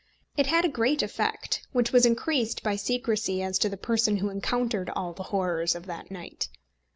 It had a great effect, which was increased by secrecy as to the person who encountered all the horrors of that night.